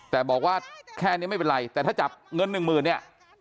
แต่บอกว่าแค่นี้ไม่เป็นไรแต่ถ้าจับเงินหนึ่งหมื่นเนี่ย